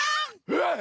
うわっ！